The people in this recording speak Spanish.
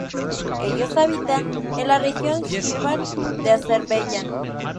Ellos habitan en la región Shirvan de Azerbaiyán.